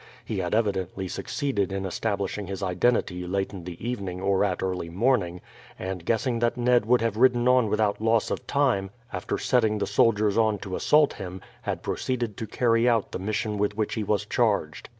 He had evidently succeeded in establishing his identity late in the evening or at early morning, and guessing that Ned would have ridden on without loss of time after setting the soldiers on to assault him, had proceeded to carry out the mission with which he was charged.